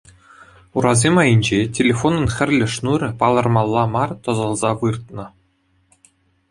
Урасем айӗнче телефонӑн хӗрлӗ шнурӗ палӑрмалла мар тӑсӑлса выртнӑ.